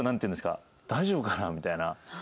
大丈夫かな？みたいな。